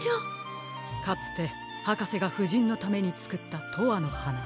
かつてはかせがふじんのためにつくった「とわのはな」。